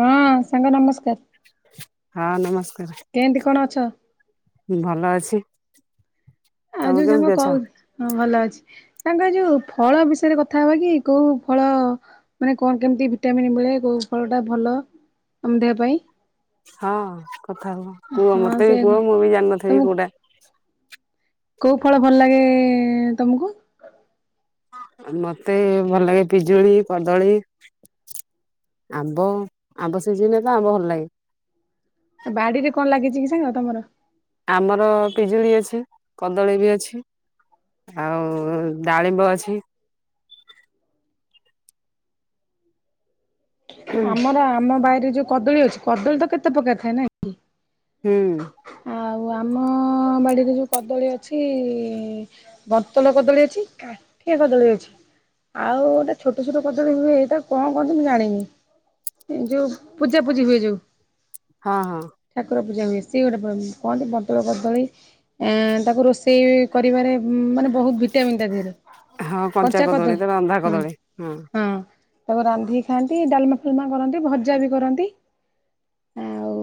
ହଁ ସାଙ୍ଗ ନମସ୍କାର ହଁ ନମସ୍କାର [inaudible] କେନ୍ତି କଣ ଅଛ? ଭଲ ଅଛି ଆ ତମେ ଯୋଉ ସାଙ୍ଗ କେମିତି ଅଛ? କହୁ ହଁ ଭଲ ଅଛି। ତାଙ୍କ ଯୋଉ ଫଳ ବିଷୟରେ କଥା ହବା କି କୋଉ ଫଳ ମାନେ କଣ କେମିତି ଭିଟାମିନ୍ ମିଳେ କୋଉ ଫଳଟା ଭଲ ଆମ ଦେହ ପାଇଁ। ହଁ କଥା ହୁହ କୁହ ହଁ ମତେ ସେ ବି କୁହ ମୁଁ ବି ଜାଣିନଥେବି ତମକୁ କୋଉଟା। କୋଉ ଫଳ ଭଲ ଲାଗେ ତମକୁ? ମତେ ଭଲ ଲାଗେ ପିଜୁଳି କଦଳୀ ଆମ୍ବ ଆମ୍ବ ସିଜିନ ହେଲେ ଆମ୍ବ ଭଲ ଲାଗେ। ବାଡିରେ କଣ ଲାଗିଛି କି ସାଙ୍ଗ ତମର? ଆମର ପିଜୁଳି ଅଛି କଦଳୀ ବି ଅଛି ଆଉ ଡାଳିମ୍ବ ଅଛି। [inaudible] ହୁଁ ଆମର ଆମ ବାଇରେ କଦଳୀ ଅଛି କଦଳୀ ତ କେତେ ପ୍ରକାର ଥାଏ ନାଇକି। ହୁଁ। ଆଉ ଆମ ବାଡିରେ ଯୋଉ କଦଳୀ ଅଛି ବନ୍ତଲ କଦଳୀ ଅଛି କାଠିଆ କଦଳୀ ଅଛି ଆଉ ଗୋଟା ଛୋଟ ଛୋଟ କଦଳୀ ହୁଏ ଏଇଟା କଣ କହନ୍ତି ମୁଁ ଜାଣିନି ଯୋଉ ପୂଜାପୂଜି ହୁଏ ଯୋଉ। ହଁ ହଁ। [unintelligible] କହନ୍ତି ବଟଳ କଦଳୀ। ଏ ତାକୁ ରୋଷେଇ କରିବାରେ ମାନେ ବହୁତ ଭିଟାମନ୍ ତା ଦେହରେ ହଁ କଞ୍ଚା କଦଳୀ ତାର ରନ୍ଧା ହଁ କଦଳୀ ହଁ। ତାକୁ ରାନ୍ଧିକି ଖାଆନ୍ତି ଡାଲମା ଫାଲମା କରନ୍ତି ଭଜା ବି କରନ୍ତି ଆଉ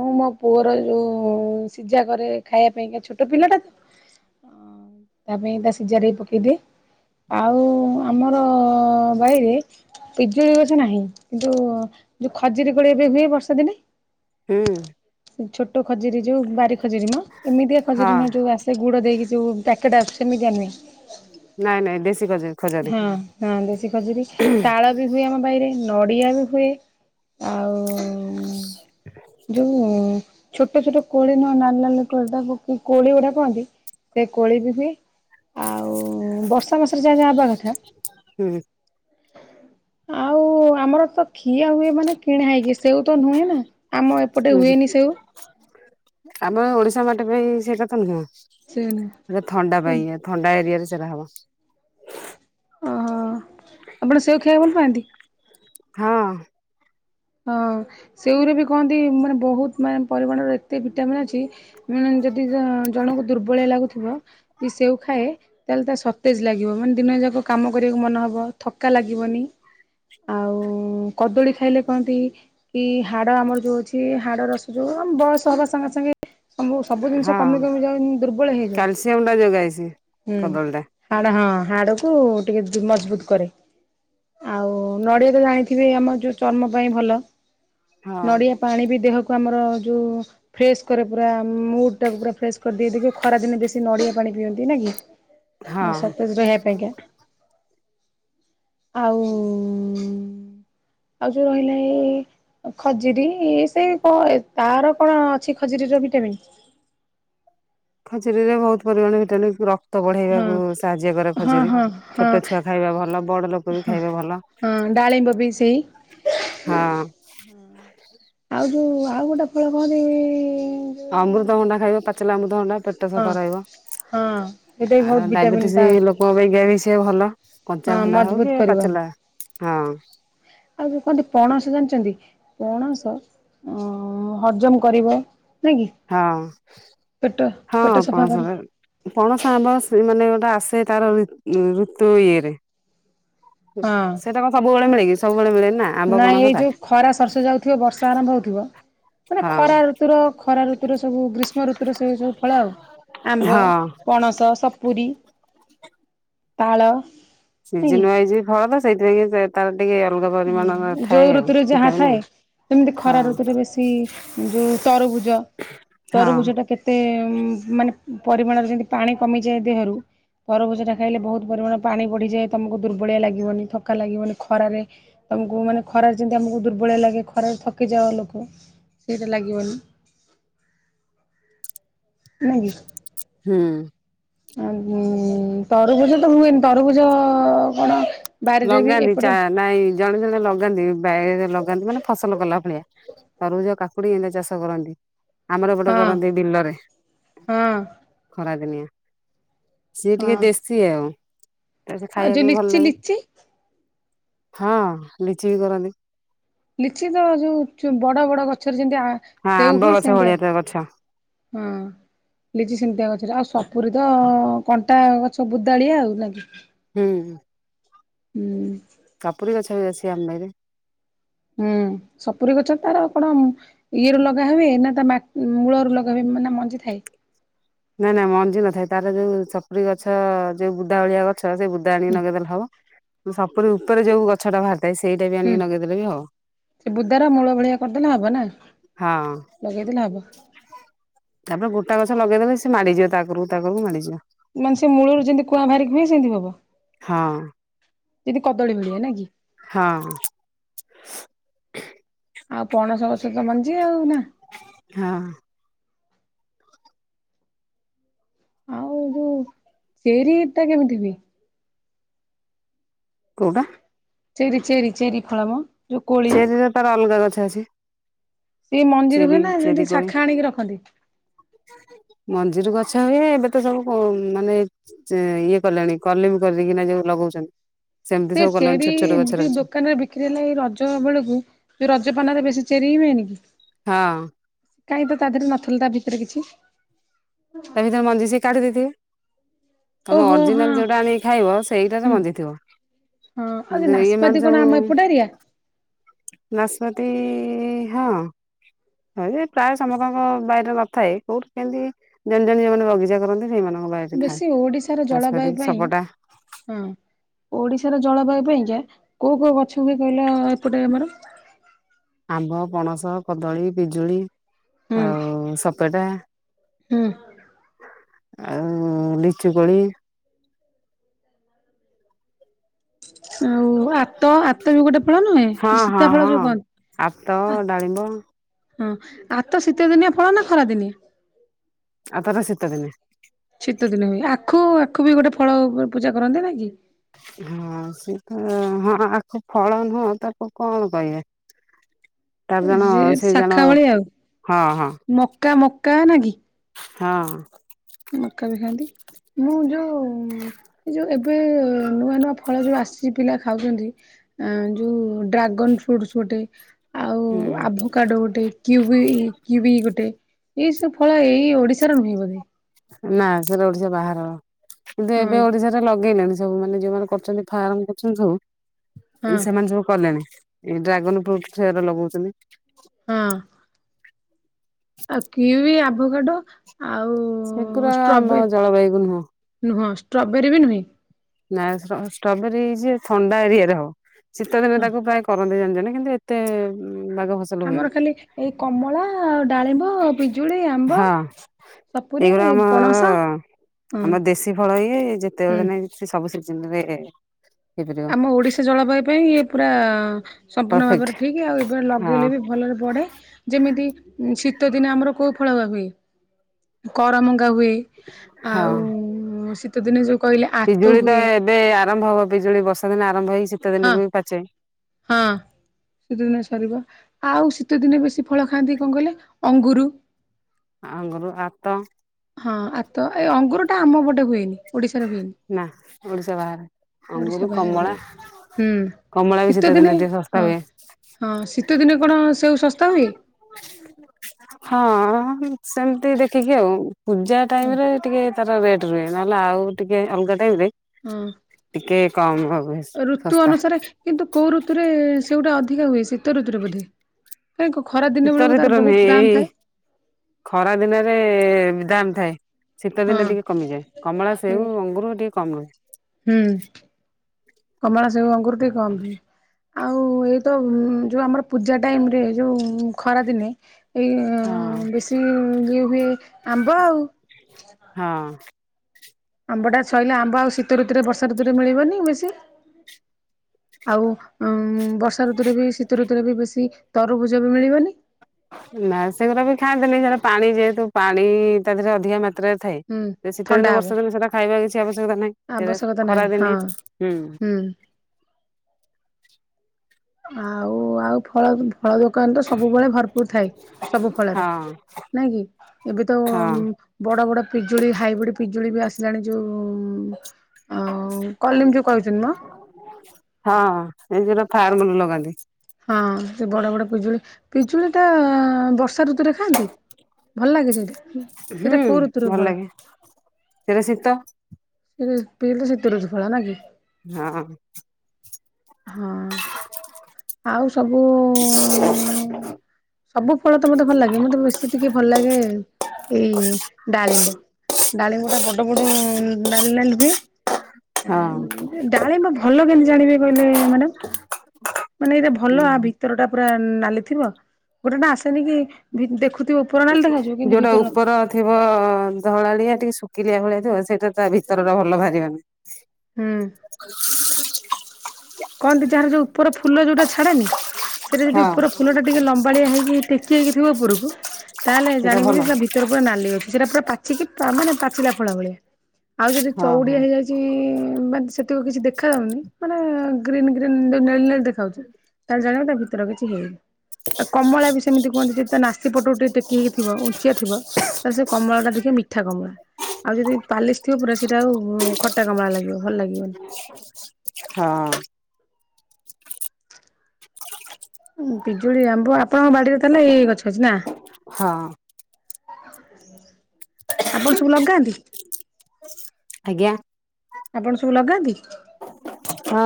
ମୁଁ ମୋ ପୁଅର ଯୋଉ ସିଝା କରେ ଖାଇବା ପାଇଁକା ଛୋଟ ପିଲାଟା ତ ତା ପାଇଁ ତା ସିଝାରେ ପକେଇଦିଏ ଆଉ ଆମର ବାଇରେ ପିଜୁଳି ଗଛ ନାହିଁ କିନ୍ତୁ ଯୋଉ ଖଜୁରୀ କୋଳି ଏବେ ହୁଏ ବର୍ଷା ଦିନେ ହୁଁ। ଛୋଟ ଖଜୁରୀ ଯୋଉ ବାରି ଖଜୁରି ମ ଏମିତିଆ ଖଜୁରୀ ହଁ ନୁହଁ ଯୋଉ ଆସେ ଗୁଡ ଦେଇକି ଯଉ ପାକେଟ ଆସଛନ୍ତି ଜାନି ନାଇଁ ନାଇଁ ଦେଶ ହଁ ହଁ ଦେଶୀ ଖଜୁରୀ ତାଳ ବି ହୁଏ ଆମ ବାଇରେ। ନଡ଼ିଆ ବି ହୁଏ। ଆଉ ଯୋଉ ଛୋଟ ଛୋଟ କୋଳି ନୁହ ନାଲି ନାଲି ତାକୁ କି କୋଳି ଗୁଡା କୁହନ୍ତି ସେ କୋଳି ବି ହୁଏ। ଆଉ ବର୍ଷା ମାସରେ ଯା କ କଥା ହୁଁ [inaudible] ଆଉ ଆମର ତ ଖିଆ ହୁଏ ମାନେ କିଣା ହେଇକି ସେଉ ତ ନୁହେଁ ନା। ଆମ ଏପଟେ ହୁଁ ହୁଏନି ସେଉ। ଆମ ଓଡିଶା ମାଟି ସେଇଟା ତ ନୁହଁ। ସେଉ ନୁହେଁ। ମାନେ ଥଣ୍ଡା ପାଇଁକା ଥଣ୍ଡା ଏରିଆରେ ହବ। ଓହୋ ଆପଣ ସେଓ ଖାଇବାକୁ ଭଲ ପାଆନ୍ତି? ହଁ। ହଁ ସେଉର ବି କହନ୍ତି ମାନେ ବହୁତ ମାନେ ପରିମାଣର ଏତେ ଭିଟାମିିନ ଅଛି ମନେ ଜଦି ଜଣଙ୍କୁ ଦୁର୍ବଳଆ ଲାଗୁ ଥିବ ସେଉ ଖାଏ ତାଲେ ତା ସତେଜ ଲାଗିବ ମାନେ ଦିନ ଯାକ କାମ କରିବାକୁ ମନ ହବ ଥକା ଲାଗିବନି। ଆଉ କଦଳୀ ଖାଇଲେ କହନ୍ତି କି ହାଡ ଆମର ଯୋଉ ଅଛି ହାଡ ରସ ଯୋଉ ଆମ ବୟସ ହବା ସାଙ୍ଗେ ସାଙ୍ଗେ ସବୁ ସବୁ ଜିନିଷ ହଁ କମି କମି ଯାଉନି ଦୁର୍ବଳ ହେଇଯାଉଛି କ୍ୟାଲସିୟମ ଟା ଯୋଗାଏ ସିଏ ହୁଁ କଦଳୀ ଟା ହାଡ ହଁ। ହାଡକୁୁ ଟିକେ ମଜବୁତ କରେ ଆଉ ନଡ଼ିଆ ତ ଜାଣିଥିବେ ଆମ ଯୋଉ ଚର୍ମ ପାଇଁ ଭଲ। ହଁ ନଡିଆ ପାଣି ବି ଦେହକୁ ଆମର ଯୋଉ ଫ୍ରେଶ କରେ ପୁରା ମୁଡ ଟାକୁ ପୁରା ଫ୍ରେସ କରି ଦିଏ। ଖରା ଦିନେ ବେଶୀ ନଡିଆ ପାଣି ପିଅନ୍ତି ନା କି। ହଁ। ସତେଜ ରହିବା ପାଇଁକା। ଆଉ ଆଉ ଯୋଉ ରହିଲା ଏଇ ଖଜୁରୀ ସେଇ ତାର କଣ ଅଛି ଖଜିୁରୀର ଭିଟାମନ୍? ଖଯୁରୀରେ ବହୁତ ପରିମାଣ ଭିଟାମିନ୍ ର ତ ହଁ ବଢେଇବାକୁ ସାହାଯ୍ୟ କରେ ହଁ ଖଜୁରୀ ହଁ ହଁ ଛୋଟ ଛୁଆ ଖାଇବା ଭଲ ବଡ ଲୋକ ବି ଖାଇବା ଭଲ ହଁ ଡାଳିମ୍ବ ବି ସେଇ ହଁ। [inaudible] କିନ୍ତୁ ଆଉ ଗୋଟେ ଫଳ କହନ୍ତି ଅମୃତଭଣ୍ଡା ଖାଇବ ପା ପାଚିଲା ଅମୃତଭଣ୍ଡା। ପେଟ ହଁ ସଫା ରହିବ ହଁ ସେଇଟା ବି ବହୁତ ଆ ଭିଟାମିନ୍ ଡାଇବେଟିସ୍ ତା ଲୋକଙ୍କ ପାଇଁ ସେ ଭଲ। ହଁ କଞ୍ଚାଭଣ୍ଡା ହଉ ମଜବୁତ କି କରିବ। ପାଚିଲା। ହଁ। ଆଉ କୁହନ୍ତି ପଣସ ଜାଣିଛନ୍ତି ପଣସ ଅ ହଜମ କରିବ। ନାଇଁ କି ହଁ ପେଟ ପେଟ ହଁ ସଫା ପଣସ କରିବ ପଣସ ଆମ୍ୱ ସେ ମାନେ ଆସେ ତାର ଋ ଋତୁ ଇଏରେ। ହଁ। ସେଟା କ ସବୁବେଳେ ମିଳେକି। ସବୁବେଳେ ମିଳେ। ନାଇଁ ଏଇ ଯୋଉ ଖରା ସରସେ ଯାଉଥିବ ବର୍ଷା ଆରମ୍ଭ ହଉଥିବ। ମାନେ ହଁ ଖରା ଋତୁର ଖରା ଋତୁର ସବୁ ଗ୍ରୀଷ୍ମ ଋତୁୁର ସେ ସବୁ ଫଳ ଆଉ ଆମ୍ବ, ହଁ। ପଣସ, ସପୁରୀ। ତାଳ। ସିଯିନି ୱାଇଜେ ଫଳତ ସେଇଥିପାଇଁ କି ତେ ତାର [unintelligible] ପରିମାଣର ହଁ ଥାଏ ଯୋଉ ଆଉ ଋତୁରେ ଯାହା ଭିଟାମିନ ଆଉ। ଥାଏ ସେମିତି ଖରା ହଁ ଋତୁରେ ବେଶୀ ଯୋଉ ତରଭୁଜ ହଁ ତରଭୁଜ ଟା କେତେ ଉଁ ମାନେ ପରିମାଣରେ ଯେମିତି ପାଣି କମିଯାଏ ଦେହରୁ। ତରଭୁଜ ଟା ଖାଇଲେ ବହୁତ ପରିମାଣ ପାଣି ବଢିଯାଏ ତମକୁ ଦୁର୍ବଳିଆ ଲାଗିବନି ଥକା ଲାଗିବନି ଖରାରେ ତମକୁ ମାନେ ଖରାରେ ଯେମତି ଆମକୁ ଦୁର୍ବଳୀଆ ଲାଗେ ଖରାରେ ଥକି ଯାଅ ଲୋକ। ସେଟା ଲାଗିବନି ନା କି? ହୁଁ। ଉ ତରୁଭୁଜ ତ ହୁଏନି ତରଭୁଜ କଣ? ବାରିରେ ବି ଲଗାନ୍ତି ଏପଟେ ଚା ହଁ ନାଇଁ ଜଣେ ଜଣେ ଲଗାନ୍ତି ବାଇରେ ଲଗାନ୍ତି ମାନେ ଫସଲ କଲା ଭଳିଆ ତରଭୁଜ, କାକୁଡି ଏମିତିଆ ଚାଷ କରନ୍ତି। ଆମର ଏପଟେ କରନ୍ତି ବିଲରେ ହଁ ଖରା ଦିନିଆ। ସେ ଟିକେ ହଁ ଦେଶୀ ଆଉ। ତା ସେ ଆଉ ଯି ଖାଇବାକୁ ବି ଭଲ ଲିଚି ଲାଗେ ଲିଚି। ହଁ ଲିଚି ବି କରନ୍ତି। ଲିଚି ତ ଯୋଉ ବଡ ବଡ ଗଛରେ ଯେମିତ ଆ ହଁ ସେଉ ଆମ୍ବ ହୁଏ ଗଛ ସେନ୍ତିଆ ଭଳିଆ ତା ଗଛ ହଁ ଲିଚି ସେମତିଆ ଗଛରେ ଆଉ ସ ପୁରୀ ତ କଣ୍ଟା ଗଛ ବୁଦାଳିଆ ଆଉ ଲାଗେ। ହୁଁ ହୁଁ। ସପୁରୀ ଗଛ ବି ଅଛି ଆମ ବାଇରେ। ହୁଁ ସପୁରୀ ଗଛ ତାର କଣ ଇଏ ର ଲଗା ହୁଏ ନା ତା ମା ମୂଳରୁ ଲଗା ହୁଏ ମାନ ମଞ୍ଜି ଥାଏ। ନାଇଁ ନାଇଁ ମଞ୍ଜି ନଥାଏ ତାର ଯୋଉ ସପୁରି ଗଛ ଯୋଉ ବୁଦା ଭଳିଆ ଗ ଛ ସେ ବୁଧା ଆଣୀକି ହୁଁ ନଗଦଲେ ହବ। ଉପରେ ଉପରେ ଯୋଉ ଗଛଟା ବାହାରି ହୁଁ ସେ ବୁଦାର ମୂଳ ଭଳିଆ କରିଦେଲେ ହବ ନା। ହଁ ଲଗେଇଦେଲେ ହବ ତାପରେ ଗୁଟା ଗଛ ଲଗେଇଦେଲେ ସେ ମାଡ଼ିଯିବ ତା କରକୁ ତା କରକୁ ମାଡ଼ିଯିବ। ମାନେ ସେ ମୂଳରୁ ଯେମିତି କୁଆଁ ବାହାରିକି ହୁଏ ସେମିତି ହବ। ହଁ ଯେମିତି କଦଳୀ ଭଳିଆ ନା କି ହଁ। ଆଉ ପଣସ ଗଛ ତ ମଞ୍ଜି ଆଉ ନା? ହଁ ଆଉ ଯୋଉ ଚେରି ତା କେମିତି ହୁଏ? କୋଉଟା? ଚେରି ଚେରି ଚେରି ଫଳ ମ ଯୋଉ କୋଳି ଚେରିର ତାର ଅଲଗା ଗଛ ଅଛି। ସେଇ ମଞ୍ଜିରେ ଚେରି ହୁଏ ନା ଚେରି ସେମତି କୋଳି ଶାଖା ଆଣିକି ରଖନ୍ତି। ଆଛା ଏବେ ତ ସବୁ ମାନେ ଏଁ ଇଏ କଲେଣି କଲିମି କରିଦେଇ କିନା ଯୋଉ ଲଗାଉଛନ ସେ ଚେରି ଯୋଉ ଦୋକାନ ରେ ବିକ୍ରି ହେଲେ ଏଇ ରଜ ବେଳକୁ ରଜ ପାନ ରେ ବେଶୀ ଚେରି ହୁଏନି କିି? ହଁ କାହିଁ ତ ତା ଦେହରେ ନଥିଲା ଭି ଏଥିରେ କିଛି ତମେ ତା ମଞ୍ଜି ସିଏ କାଢି ଦେଇଥିବେ। ତମେ ଓହୋ ହଁ ଅରିଜିନାଲ ଯୋଉଟା ଆଣିକି ଖାଇବ ସେଇଟାରେ ହୁଁ। ମଞ୍ଜିଥିବ। ହଁ ଆଉ ଯୋଉ କିନ୍ତୁ ଇଏ ନାସପାତି ମାନ କଣ ସବୁ ଆମ ଏପଟ ଏରିଆ ନାଶପତି-ଇ-ଇ-ଇ ହଁ ଏ ପ୍ରାୟ ସମସ୍ତଙ୍କ ବାଇରେ ନଥାଏ। କୋଉଠି କେମିତି ଜନ ଜଣ ଯୋଉମାନେ ବଗିଚା କରନ୍ତି ସେଇମାନେ ବେଶୀ ଓଡିଶାର ଜଳବାୟୁ ପାଇଁ ସପଟା ହଁ ଓଡିଶାର ଜଳବାୟୁ ପାଇଁକା କୋଉ କୋଉ ଗଛ ହୁଏ କହିଲ-ଅ-ଅ ଏପଟେ ଆମର? ଆମ୍ବ, ପଣସ, କଦଳୀ, ପିଜୁଳି ହୁଁ ଆଉ ସପେଟା ହୁଁ ଆଉ ଲିଚୁ କୋଳି ଆଉ ଆତ ଆତ ବି ଗୋଟେ ଫଳ ନୁହେଁ ହଁ ହଁ ସୀତା ଫଳ ଯୋଉ ହଁ ଆତ କହନ୍ତି। ଡାଳିମ୍ବ ହଁ ଆତ ଶୀତ ଦିନିଆ ଫଳ ନା ଖରା ଦିନେ। ଆତ ତା ଶିତ ଦିନେ। ଶୀତ ଦିନ ହୁଏ। ଆଖୁ ଆଖୁ ବି ଗୋଟେ ଫଳ ପୂଜା କରନ୍ତି ନାଇ କି? ହଁ ସେ ତ ହଁ ଆଖୁ ଫଳ ନୁହଁ ତାକୁ କଣ କହିବେ? ସେ ଶାଖା ଭଳିଆ ଆଉ, ହଁ ହଁ ମକା ମକା ନା କି ହଁ। ମକା ବି ଖାଆନ୍ତି। ମୁଁ ଯୋଉ ଏ ଯୋଉ ଏବେ-ଏ-ଏ ନୂଆ ନୂଆ ଫଳ ଯୋଉ ଆସିଛି ପିଲା ଖାଉଛନ୍ତି ଯୋଉ ଡ୍ରାଗନ ଫ୍ରୁଟ୍ସ ଗୋଟେ ଆଉ ହୁଁ ଆଭୋ କାଡୋ ଗୋଟେ, କିୱି କିୱି ଗୋଟେ। ଏଇସବୁ ଫଳ ଏଇ ଓଡିଶାର ନୁହେଁ ବୋଧେ ନା ସେଟା ଓଡିଶା ବାହାରର। କିନ୍ତୁ ହଁ ଏବେ ଓଡିଶାରେ ଲଗେଇଲେଣି। ସବୁ ମାନେ ଯୋଉମାନେ କରୁଛନ୍ତି ଫାର୍ମ କରୁଛନ୍ତି ସବୁ ହଁ ଏନ୍ ସେମାନେ ସବୁ କଲେଣି। ଏଇ ଡ୍ରାଗନ ଫ୍ରୁଟ୍ ଚେର ଲଗଉଛନ୍ତି। ହଁ। ଆଉ କିୱି ଆଭୋ କାଡୋ ସେଗୁରା-ଆ ଆମ ଜଳବାୟୁ କୁ ନୁହଁ। ନୁହଁ ଷ୍ଟ୍ରବେରୀ ବି ନୁହେଁ। ନା ଷ୍ଟ ଷ୍ଟ୍ରବେରୀ ଇ-ଇ ଯେ ଥଣ୍ଡା ଏରିଆରେ ହବ। ଶୀତଦିନରେ ହଁ ତାକୁ ପ୍ରାୟ କରନ୍ତି ଜାଣିଚ୍ ନାଇ କିନ୍ତୁ ଏତେ ବାଗ ଫସଲ ହୁଏନି। ଆମର ଖାଲି ଏଇ କମଳା-ଆ-ଆ-ଆ ହଁ ସପୁରୀ ଏଗୁଡା ଆମ-ମ-ମର ପଣସ ହଁ ଆମର ଦେଶୀ ଫଳ ଇଏ ହୁଁ ଯେତେବେଳେ ନାଇଁ ସବୁ ଶିଜ୍ ଜନ୍ ବେ ଆମ ଓଡିଶା ଜଳବାୟୁ ପାଇଁ ଇ ପୁରା-ଆ-ଆ ସମ୍ପୂର୍ଣ୍ଣ ପରଫେକ୍ଟ ଭାବରେ ଠିକ ଆଉ ଏବେ ଲଗେଇଲେ ହଁ ବି ଭଲରେ ବଢେ ଯେମିତି- ଶୀତ ଦିନେ ଆମର କୋଉ ଫଳ ବା ହୁଏ କରମ- ହୁଏ ହଁ। ଆଉ- ତଦିନ ଯ- ପିଜୁଳି ତ ଏବେ ଆରମ୍ଭ ହବ ପିଜୁଳି ବସ- ସ- ଆରମ୍ଭ ହେଇକିତେ ହଁ ଦିନକୁ ବି ପାଛେ- ହଁ ଶୀତ ଦିନେ ସରିବ ଆଉ ଶୀତ ଦିନେ ବେଶୀ ଫଳ ଖାଆନ୍ତି କଣ କହିଲେ ଅଙ୍ଗୁର- ଆଙ୍ଗରୁ ଆତ- ହଁ ଆତ ଏଇ ଅଙ୍ଗୁର ଟା ଆମପଟେ ହୁଏନି- ଓଡିଶାରେ ହୁଏନି ନା ଓଡିଶା ବାହାରେ। ଅଙ୍ଗୁରୁ ଓଡିଶା ବାହାରେ କମଳା ବି ହୁଁ, କମଳା ବି ଶୀତ ଦିନେ ଟିକେ ଶସ୍ତା ହଁ ହୁଏ। ହଁ ଶୀତ ଦିନେ କଣ ସବୁ ଶସ୍ତା ହୁଏ- ହଁ ସେମିତି ଦେଖିକି ଆଉ- ପୂଜା ହଁ ଟାଇମ ରେ ଟିକେ ତାର ରେଟ୍ ରୁହେ- ହେଲା ଆଉ- ଟିକେ ଅଲଗା ଟାଇମ ରେ - ହୁଏ ହଁ ଋତୁ ଶସ୍ତା ଅନୁସାରେ କିନ୍ତୁ କୋଉ ଋତୁରେ- ସେଗୁଟା ଅଧିକା ହୁଏ ଶୀତ ଋତୁ ବୋଧେ- କାଇଁ କ ଖରା ଦିନ ଶୀତ ବେଳକୁ ତାର ଭଋିତରୁ ବହୁତ ନୁହେଁ ଦାମ୍ ଏଇ ଥାଏ ଖରା ଦିନରେ- ଦାମ ଥାଏ। ଶୀତ ହଁ ଦିନେ ଟିକେ କମିଯାଏ କମଳା ସେଉ ହୁଁ। ଅଙ୍ଗୁର ଟିକେ କମ ରୁହେ। ହୁଁ କମଳା, ସେଓ, ଅଙ୍ଗୁରୁ ଟିକେ କମ ହୁଏ ଆଉ ଏଇତ ଯୋଉ ଆମର ପୂଜା ଟାଇମ ରେ ଯୋଉ ଖରା ଦିନେ ଏଇ ହଁ। ବେଶୀ ଇଏ ହୁଏ ଆମ୍ବ ଆଉ ହଁ ଆମ୍ବ ଟା ସଇଲେ ଆମ୍ବ ଆଉ ଶୀତ ଋତୁରେ ବର୍ଷା ଋତୁରେ ମିଳିବନି ବେଶୀ ଆଉ ବର୍ଷା ଋତୁରେ ବି ଶୀତ ଋତୁରେ ବି ବେଶୀ ତରୁଭୁଜ ବି ମିଳିବନି ନାଁ ସେଗୁରା ବି ଖାଆନ୍ତିନି ସେଟା ପାଣି ଯେହେତୁ ପାଣି ତା ଦେହରେ ଅଧିକା ରେ ଥାଏ ହୁଁ ସେ ଶୀତ ଥଣ୍ଡା ଦିନେ ହବ ବର୍ଷା ତମେ ସେଟା ଖାଇବା କିଛି ନାହିଁ ସେଟା ଆବଶ୍ୟକତା ନାହିଁ ଖରା ହଁ ଦିନେ ହୁଁ। ଆଉ ଆଉ ଫଳ ଫଳ ଦୋକାନ ତ ସବୁବେଳେ ଭରପୁର ଥାଏ ସବୁ ଫଳରେ ହଁ ନାଇଁ କି ଏବେ ତ ହଁ ବଡ ବଡ ପିଜୁଳି ହାଇବ୍ରିଡ ପିଜୁ ଜୁଳି ବି ଆସିଲାଣି ଯୋଉ ଆ କଲିମ୍ ଯୋଉ କହୁଛନ୍ତି ମ। ନିଜର ଫାର୍ମରେ ଲଗାନ୍ତି। ହଁ ସେ ବଡ ବଡ ପିଜୁଳି ପିଜୁଳି ଟା ବର୍ଷା ଋତୁ ଋତୁରେ ଖାଆନ୍ତି ଭଲ ଲାଗେ ସେଇଟା ହୁଁ ସେଇଟା କୋଉ ଋତୁୁର ଭଲ ଫଳ? ହ [inaudible] ଏ ପିଜୁଲିଟା ଶୀତ ଋତୁ ଫଳ ନା କି। ହଁ ହଁ। ହଁ ଆଉ ସବୁ ସବୁ ଫଳ ତ ମତେ ଭଲ ଲାଗେ ମତେ ବେଶୀ ଟିକେ ଭଲ ଲାଗେ ଏଇ ଡାଳିମ୍ବ। ଡାଳିମ୍ୱଟା ବଡ ବଡ ନାଲି ନାଲି ହୁଏ ହଁ। ଡାଳିମ୍ୱ ଭଲ କେମିତି ଜାଣିବେ? ହେଲେ ମ୍ୟାଡମ୍ ମାନେ ଏଇଟା ଭଲ ୟା ଭିତର ଟା ପୁରା ନାଲି ଥିବ ଗୋଟେ ଗୋଟେ ଆସେନି କି ଦେଖୁ ଯୋଉଟା ଉପର ଥିବ ଧଳାଳିଆ ଟିକେ ଶୁଖିଲିଆ ଭଳିଆ ଥିବ ସେଇଟା ତା ଭିତରର ଭଲ ବାହାରିବନି। ହୁଁ। [inaudible] କହନ୍ତି ଯାହାର ଯୋଉ ଉପର ଫୁଲ ଯୋଉଟା ଛାଡେନି ସେଇଟା ଯଦି ହଁ ଉପର ଫୁଲଟା ଟିକେ ଲମ୍ବାଳିଆ ହେଇକି ଟେକି ହେଇକିଥିବ ଉପରକୁ ତାହେଲେ ସେଇଟା ଜାଣିବୁ ଭଲ ଯେ ସେ ଭିତରେ ପୁର ନାଲି ଅଛି ସେଟା ପୁରା କି ମାନେ ପାଚିଲା ଫଳ ଭଳିଆ। ଆଉ ଯଦି ହଁ ଚଉଡିଆ ହଁ ହେଇଯାଇଚି ମାନେ ସେଥିକ କିଛି ଦେଖାଯାଉନି ମାନେ ଗ୍ରୀନ୍ ଗ୍ରୀନ୍ ଯୋଉ ନେଲେ ଦେଖାଉଛି ତାହେଲେ ଜାଣିବା ତା ଭିତରେ କିଛି ହେଇନି, ଆଉ କମଳା ବି ସେମିତି କୁହନ୍ତି ଯଦି ତା ନାସି ପଟ ଟେ ଟେକି ହେକି ଥୀବ ଉଞ୍ଚିଆ ଥିବ ତାହେଲେ ସେ କମଳା ଟା ଦେଖିବେ ମିଠା କମଳା। ଆଉ ଯଦି ପାଲିସଥିବ ପୁରା ସେଇଟା ଆଉ ଖଟା କାମଳା ଲାଗିବ। ଭଲ ଲାଗିବନି। [inaudible] ହଁ। ପିଜୁଳି ଆମ୍ବ ଆପଣଙ୍କ ବାଡିରେ ତାହେଲେ ଏଇ ଗଛ ଗଛ ଅଛି ନା? ହଁ। [inaudible] ଆପଣ ସବୁ ଲଗାନ୍ତି? ଆଜ୍ଞା। ଆପଣ ସବୁ ଲଗାନ୍ତି? ହଁ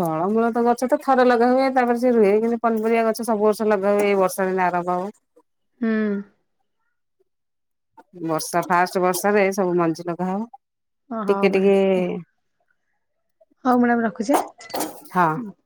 ଫଳମୂଳ ତ ଗଛ ତ ଥରେ ଲଗା ହୁଏ, ତାପରେ ସେ ରୁହେ କିନ୍ତୁ ପନପରିବା ଗଛ ସବୁ ବର୍ଷ ଲଗା ହୁଏ, ଏଇ ବର୍ଷା ଦିନ ଆରମ୍ଭ ହବ। ହଁ। ବର୍ଷା ଫାଷ୍ଟ ବର୍ଷରେ ସବୁ ମଞ୍ଜି ଲଗା ହବ। ଟିକେ ଟିକେ ହୋଉ ମ୍ୟାଡ଼ାମ ରଖୁଚି ହଁ ଆ।